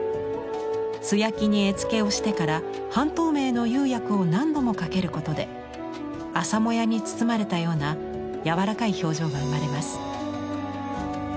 素焼きに絵付けをしてから半透明の釉薬を何度もかけることで朝もやに包まれたような柔らかい表情が生まれます。